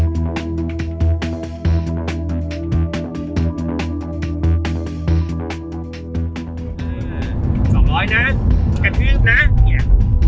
สองร้อยนะแค่พื้นนะเนี่ย